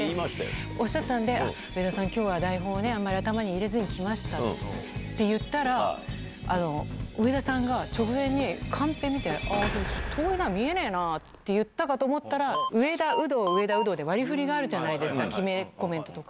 おっしゃったんで、上田さん、きょうは台本をね、あんまり頭に入れずに来ましたって言ったら、上田さんが直前にカンペ見て、あー、きょう、遠いな、見えねぇなって言ったら、上田、有働、上田、有働で、割りふりがあるじゃないですか、決めコメントとか。